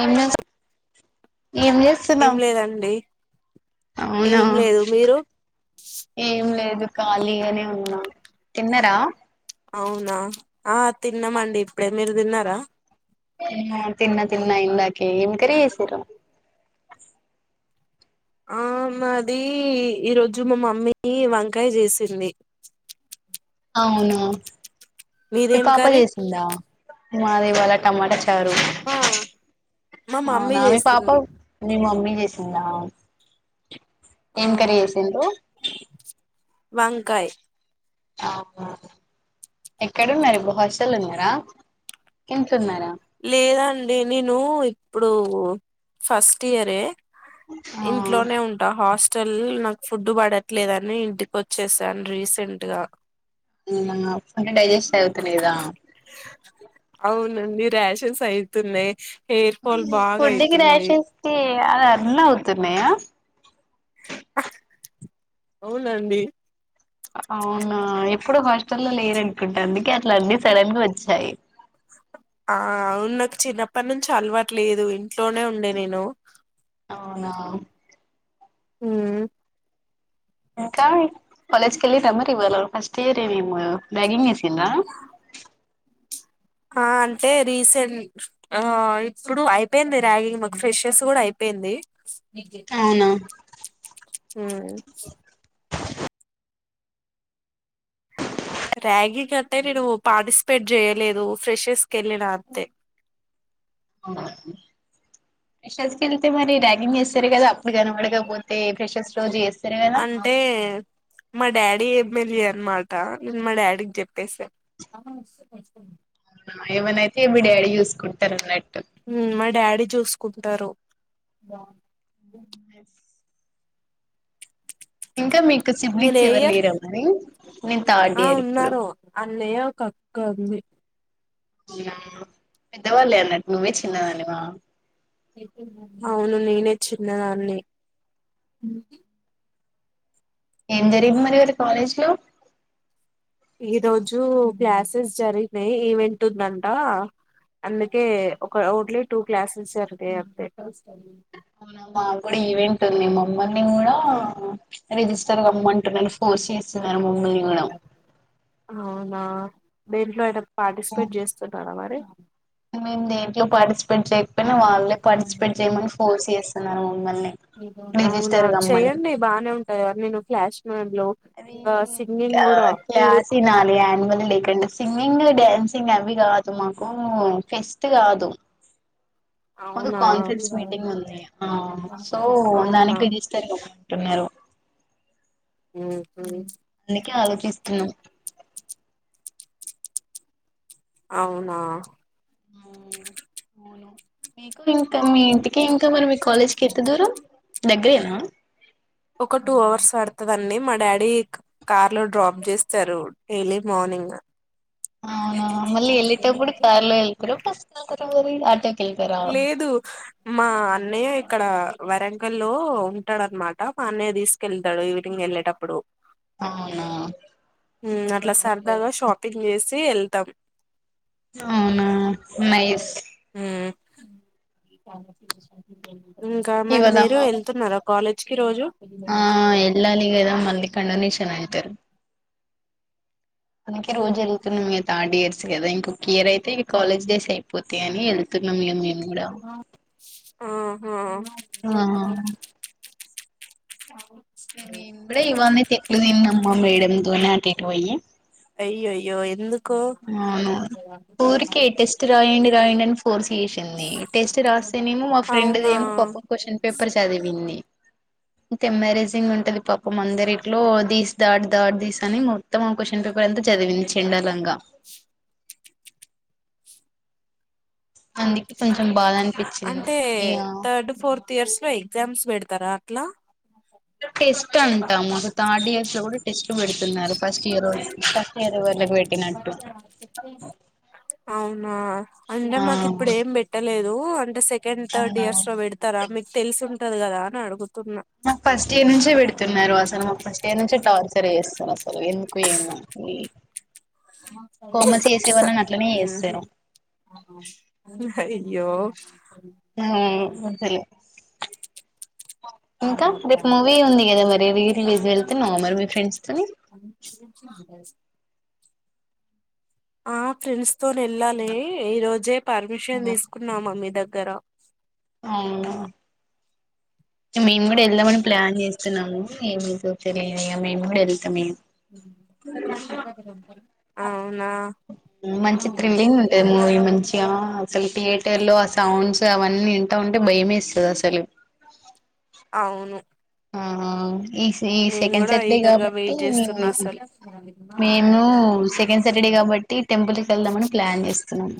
ఏం చేస్ ఏం ఏం చేస్తున్నావ్ లేదండి అవునా ఏం లేదు మీరు ఏం లేదు ఖాళీగానే ఉన్నా తిన్నారా అవునా ఆ తిన్నామండి ఇప్పుడే మీరు తిన్నారా ఊ‌ తిన్నా తిన్నా ఇందాకే ఏం కర్రీ చేసిర్రు ఆ మాది ఈ రోజు మా మమ్మీ వంకాయ చేసింది అవును మీ మీదేం పాప కర్రీ చేసిందా మాది ఇవాళ టమాటా చ్ టారు మా మా మమ్మీ అవునా మీ పాప చేసింది మీ మమ్మీ చేసిందా ఆ ఏం కర్రీ చేేసిండ్రు వంకాయ్ ఆవునా ఎక్కడున్నారు ఇప్పుడు హాస్టల్ లో ఉన్నారా ఇంట్లున్నారా లేదండి నేను ను ఇప్పుడు ఫస్ట్ ఇయరే ఆ ఇంట్లోనే ఉంటా హాస్ స్టల్ నాకు ఫుడ్ పడట్లేదని ఇంటికి వచ్చేసాను రీసెంట్ గా ఏమన్నా ఫుడ్ డైజెస్ట్ ఆవుతులేదా ఔనండి రాషస్ ఐతున్నయ్ ఫుడ్ కి రాషస్ కి కాదు అన్నీ అవుతున్నాయా అవునండి అవునా ఎప్పుడూ హాస్టల్ లో లేరు అనుకుంటా అందుకే అట్లా అన్నీ సడన్ గా వచ్చాయి ఆ అవును నాకు చిన్నప్పటి నుంచి అలవటులేదు ఇంట్లోనే ఉండే నేను అవునా ఉమ్ ఇంకా కాలేజ్ కెళ్లి అమరి ఇవ ఫస్ట్ ఇయర్ ని ర్యాగింగ్ చేసిరా ఆ అంటే రీసెంట్ ఆ ఇప్పుడు అయిపోయింది ర్యాగింగ్ మా ఫ్రెషెస్ కూడా అయిపోయింది అవునా ఉమ్ ర్యాగింగ్ అంటే నేను పార్టిసిపేట్ చేయలేదు ఫ్రెషెస్కి వెళ్ళిన అంతే ఫ్రెషర్స్ కి వెళ్తే మరి ర్యాగింగ్ చేస్తారు కదా అప్పుడు కనపడకపోతే ఫ్రెషర్స్ రోజు చేస్త అంటే మా డాడీ లీ అనమాట మా డాడీకి చెప్పేస్త ఏమన్నై ఫేమిడాడి చూసుకుంటారు లే మా డాడీ చూసుకుంటారు ఇంకా మీ కీ మీరు సిబ్లింగ్సు ఏ ఇయర్ ఎవరు లేరా అండి నేను థాడ్ ఇయర్ ఇప్పుడు కక్కంది పెద్దవాళ్ళే అన్నట్టు నువ్వే చిన్నదానివా అవును నేనే చిన్నదాన్ని ఏం జరిగి మరి ఈయల కాలేజ్ లో ఈ రోజు గ్లాసెస్ జరిగినాయి ఈవెంట్ ఉందంట అందుకే ఒక అఔట్లె టూ క్లాసెస్ జరిగ అంత మా కూడా ఈవెంట్ ఉంది మ అమ్మని కూడా రిజిస్టర్ గా అమ్మ అంటున్నాను ఫోర్స్ చే సారి మమ్మల్ని కూడా అవునా బెర్లో ఎడ పార్టిసిపేట్ చేస్తున్నారా మరి మేము దేంట్లో పార్టిసిపేట్ చే వాళ్ళే పార్టిసిపేట్ చేయమని ఫోర్స్ చేస్తున్నారు మిమ్మల్ని అవునా రడిజిస్టర్కమ్మని చెయ్యండి బానే ఉంటది కదా నేను ఫ్లాష్ మ్యాన్ లో అది ఇంకా సింగింగ్ కూడా క్యాసనాల అనిమల్ లేకడి సింగింగ్ డ్యాన్సింగ్ అవి కాదు మాకు ఫెస్ట్ కాదు ఒక అవునా కాన్ఫరెన్స్ మీటింగ్ ఉంది సో అవునా దానికిదిస్తారు క ఉన్నరూ ఉమ్ అందుకే ఆలోచిస్తున్నాం అవునా మీకు ఇంకా మీ ఇంటికి ఇంకా మనం కాలేజ్ కి ఎంత దూరం దగ్గరేనా ఒక టూ హార్స్ పడతదండి మా డాడీ కార్ లో డ్రాప్ చేస్తారు డైలీ మార్నింగ్ అవునా మళ్లీ వెళ్లేటప్పుడు కార్లో వెళ్తారా బస్సులో ఆటోక్ లేదు మా అన్నయ్య అక్కడ వరంగల్లో ఉంటాడన్నమాట మా అన్నయ్య తీసుకెళ్తాడు ఈవినింగ్ వెళ్ళేటప్పుడు అవునా ఉమ్ అట్లా ఓకే సరదాగా షాపింగ్ చేసి తి వెళ్తాం అవునా నైస్ [inaudible] ఇంకా మన ఇవాళ మీరు వెళ్తున్నారా కాలే చికి రోజు ఆ వెళ్ళాలి కదా మళ్ళీ కండర్ నేషన్ అయితే మనకి రోజు వెళ్తున్నాం ఇ థర్డ్ ఇయర్స్ కదా ఇంకొక ఇయర్ అయితే ఇక కాలేజ్ డేస్ అయిపోతా అని వెళ్తున్నాంక మేము కూడా ఆ ఆహ ఆ దండిగ్ ఖర్చు అవు ఏమే ఇప్పుడే ఇవన్నీ తెట్లు తిన్నాం మా మేడం తోనా ఎటు పోయి అయ్యో అయ్యో ఎందు అవును ఊరికే టెస్ట్ రాయండి రాయండి అని ఫోర్స్ చేసింది టెస్ట్ రాస్తేనేమో మా ఫ్రెండ్ది అవునా ఏమో పాపం క్వ్చన్ పేపర్ చదివింది అంతే మ్యారేజింగ్ ఉంటది పాప ఒక మందరిట్లో దీస్ దాటి దాటి తెస్తానే ఇంగ మొత్తం క్యూస్షన్ పేపర్ అంతా చదివించిండు చెండలంగా అందుకే కొంచెం బాగాం అంటే థర్డ్ ఫోర్త్ ఇయర్స్ లో ఎగ్జామ్స్ పెడతారా టలా టెస్ట్ అంటా మాకు థర్డ్ ఇయర్స్ లో కూడా టెస్ట్ పెడుతున్నారు ఫస్ట్ ఇయర్ వోలకి ఫస్ట్ ఇయర్ వాళ అవునా అంటే ఆ మాక్ ఇప్పుడు ఏం పెట్టలేదు ఉ ఆ సెకండ్ థర్డ్ ఇయర్స్ అవునవును లో పెడతారా మీకు తెలిసి ఉంటది కదా నాకు మాకు ఫస్ట్ ఇయర్ నుంచే పెడుతున్నారు అసలు మాకు ఫస్ట్ ఇయర్ నుంచ టార్చర్ చేస్తాను అసలు ఎందుకు ఏమా ఈ కామర్స్ చేసే వాళ్ళని అట్లనే ఉహు. చేస్తారు య్యో అలే ఇంకా రేపు మూవీ ఉంది కదా మరి రీ ఇది వెళ్తేన్నామరి మీ ఫ్రెండ్స్ తోని అ ఆ ప్రస్ తని వెళ్ళాలి ఈ రోజే పర్మిషన్ తీసుకున్నామా మీ దగ్గర తర ఆ మేము కూడా వెళ్దామని ప్లాన్ చేస్తున్నాము ఏమి సూచలే అయ్య మేము కూడా వెళ్తామేము మీరుంట ఉంటా మంచి తథ్రిల్లింగ్ ఉంటుంది మూవీ మంచిగా అసలు థియేటర్ లో ఆ సౌండ్స్ అవన్నీ వింటా ఉంటే భయమేస్తుంది అసలు అవును ఆ ఈ ఈ నేను సెకండ్ కూడా సాటర్డే ఈగర్ గా కాబట్టి వెయిట్ చేస్తున్నా అసలు మేము సెకండ్ సాటర్డే కాబట్టి టెంపుల్కి వెళ్దామని ప్లాన్ చేస్తున్నాము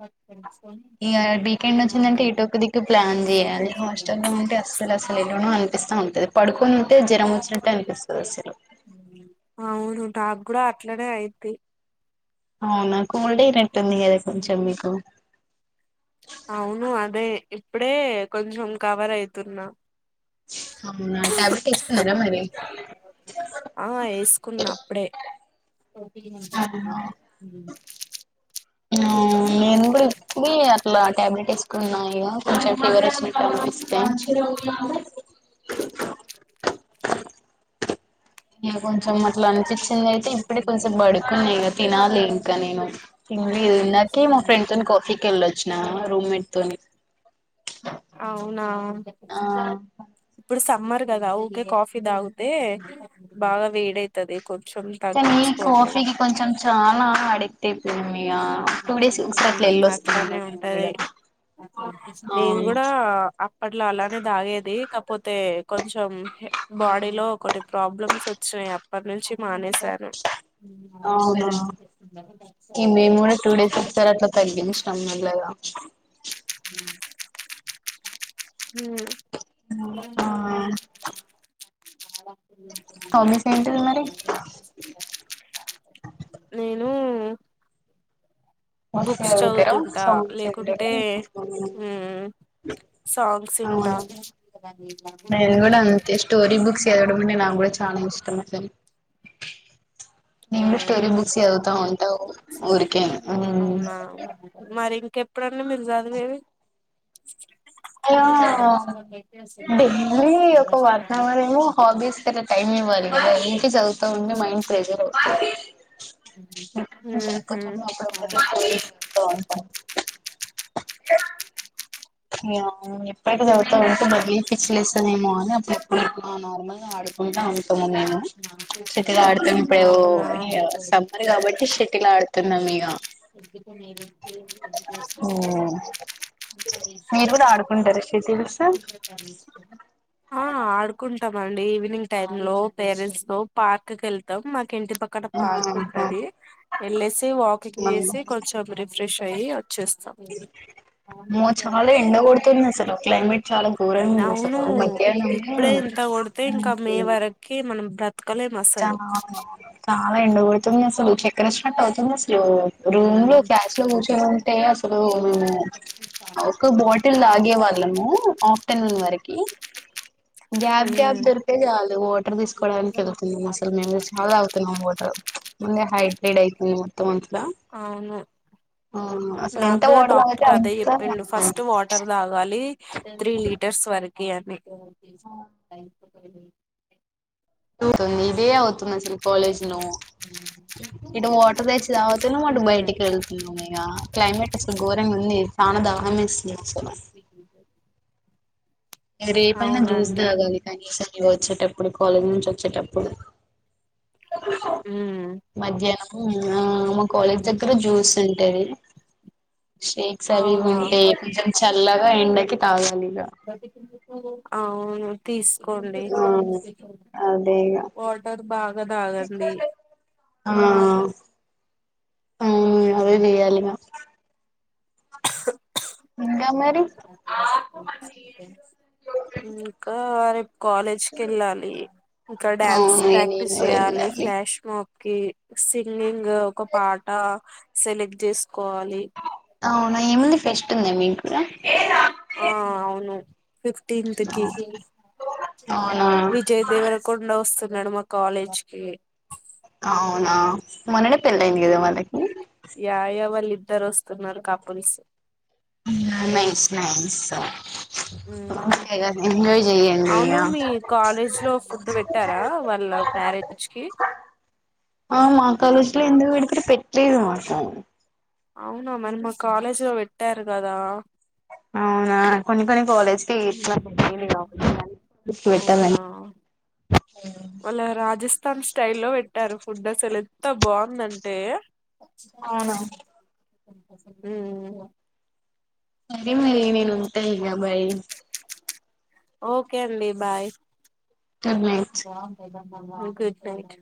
ఆ అ ఇ వీకెండ్ వచ్చిందంటే ఇటుొక్క దికు ప్లాన్ చేయాలి హాస్టల్లో లో ఉంటే అసలు అస ఎన అ ఇస్తం ఉంటుంది పడుకొని జరం వచ్చినట్టు ఎకు సదశ అవును నాకు కూడా అట్లనే అయిది అవునా కూల్డే ఇర అవును అదే ఇప్పుడే కొంచెం కవర్ అయితున్నా అవునా ట్యాబ్లెట్ వస్తుకున్నారా మరి ఆ వేసుకున్న అప్పుడే ఆ నేను కూడా ఇప్ప అట్లా టాబ్లెట్ వేసుకున్నాయి కొంచం ఫీవర్ వచ్చినట్టు ఉంది పి [unintelligible] ఇ కొంచెం అట్లా అనిపించింది అయితే ఇప్పుడే కొంచెం బడుకున్నాక తినాలి ఇంకా నేను తిన తందాక మా ఫ్రెండ్ తోని కాఫీకి వెళ్ళొచ్చిన రూమ్మేట్ తోని అవునా ఆ ఇప్పుడు సమ్మర్ కదా ఊకే కాఫీ తాగితే బాగా వేదైతది త న కాఫీకి కొంచం చాాలా అడితే పోయమ అట్లానే ఇగ మేము ఉంటది, కూడా నేను అవును కూడా అప్పట్లో అలానే తాగేది కాక పోతే కొంచెం బాడీలో కొన్ని ప్రాబ్లమ్స్ వచ్చాయి అప్పటి నుంచి మానేసి సరే అవునా [unintelligible] సరే తగిచినం చూడ లేదా అ [unintelligible] హమ్ ఆఆహ్ ఆ మరి నేను ఉహ్ బుక్స్ చదువుతారా చదువుతుంటా సాంగ్స్ లేకుంటే వింటారా సాంగ్స్ వింటూ అవును నేను కూడా అంతే స్టోరిీ బుక్స్ చదవడం అంటే నాకు కూడా చాలా ఇష్టం అ నేను స్టోరి బుక్స్ ఎవతా ఉంటావు ఊరికేను ఎప్పుడన్న మీరూ చదువు ఏదీ అో డైలీ ఒక వన్ అవర్ ఏమో హాబీస్ కి టైమ్ ఇవ్వాలి కదా ఇంటి చదువుతా ఉంే మైండ్ ఫ్రెషర్ అవుతుంది [unintelligible] ఊహూ అప్పుడప్పుడు స్టోరీస్ చదువుతా ఉంటాం ఎప్పుడైతే చవుతా ఉంటూ బదినిపించిలేస్తదేమో అని అప్పుడు ఎప్పుడుప్పుడు నార్మల్ గా ఆడుకుంటా ఉ మేము షటిల్ ఆడుతాము ఇప్పుడు అవునా సమ్మర్ కాబట్టి షిటిల్ ఆడుత వెళ్తున్నాం ఇగ మీరు కూడా ఆడుకుంటారు షటిల్స్ [unintelligible] ఆ ఆడుకుంట స్తాండి ఈవినింగ్ టైమ్ లో పేరెంట్స్ లో పార్క్ వెళ్తాం ఇంటి పక్కడ పార్క్ ఆహా ఉంటది వెళ్ళసి వాక్ అవును ఏసి కొంచెం రిప్ ఫ్రెష్ అయి అమ్మో చాలా ఎండ కొడుతుంది అసలు క్లైమేట్ చాలా ఘోరంగా ఉంది అసలు అవును ఇప్పుడే మధ్యాహ్నము ఇంత కొడితే ఇంకా మే వరకి మనం బ్రతకలేం చా అసలు చాలా ఎండ గొడుతుంది అసలు చక్ర [inaudible] అవుతుందా చో రూమ్ లో మ్మ్ క్యాష్ లో కూర్చో ఉంటే అసలు నెను ఒక బాటిల్ తాగే వాళ్ళము ఆఫ్టర్నూన్ వరకి గ్యాప్ గ్యాప్ మ్మ్ దొరికితే చాలు వాటర్ తీసుకోవడానికి ఎళ్ అసలు మేం గూడా చాలా తాగుతున్నాం వాటర్ ముందే హై టే డై [inaudible] మొత్తం అంతలా అవును అవును అసలు నాకు ఎంత కూడా వాటర్ తాగితే డాక్టర్ అదే అంత చెప్పిండు ఫస్ట్ వాటర్ తాగాలి త్రీ లీటర్స్ వరి కి అన్నీ టో [inaudible] [inaudible] తూతుంది ఇదే ఔ తుంది అసలు కాలేజ్ నో ఇటు వాటర్ తెచ్చి తాగుతున్నం అటు ఉమ్ బయటికెళ్తున్నాం ఇగ క్లైమేట్ ఘోరంగుంది చానా దాహం ఏస్ లే చ్చనా రేపైనా జ్యూస్ అవునండి తాగాలి కానీ ఇ వచ్చేటప్పుడు కాలేజ్ నుంచి వచ్చేటప్పుడు ఉమ్ మధ్యాహ్నం హ్మ్ ఆ మ కాలేజ్ దగ్గర జ్యూస్ ఏవి షేక్స్ అవి అవునా ఉంటే [unintelligible] చల్లగా ఎండకి తాగాలి ఇక [unintelligible] అవును తీసుకోండి ఆ అదే ఇగ వాటర్ బాగా తాగండి హ్మ్ అదే చేయాలి గా ఇంకా మరి ఇంకా రేపు కాలేజ్ కెళ్ళాలి ఇంకా డ్యాన్స్ అవును ఇగ నేను ప్రాక్టీస్ కూడా చేయాలి వెళ్ళాలి ఫ్లాష్ మా కి సింగింగ్ ఒక పాట సెలెక్ట్ చేసుకోవాలి అవునా ఏం ఉంది ఫెస్ట్ ఉందా మీకు కూడా ఆ అవును ఫిఫ్టీన్త్ కి అవునా విజయ్ దేవరకొండ వస్తు నాడు మా కాాలేజ్ కి అవునా మొన్ననే పెళ్ళయ్యింది కదా వాళ్ళకి ద్దరూ వస్తున్నారు కపుల్స్ ఔనా నైస్ నైస్సా చెయ్యండి అవును ఇగ మీ కాలేజ్ లో ఫుడ్ పెట్టారా వాళ్ళ మ్యారేజ్ కి ఆ మా కాలేజ్ లో ఎందుకు [unintelligible] అవునా మరి మా కాలేజ్ లో పెట్టారు కదా అవునా కొన్ని కొన్ని కాలే అవునా [unintelligible] స్థాన్ స్టైల్ లో పెట్టారు ఫుడ్ అసలు ఎంత బావుందంటే అవునా ఊ సరే మరి నేను ఉంటా ఇగ బై ఓకే అండి బాయ్ గుడ్ నైట్ బావుంటాయి దా గుడ్ నైట్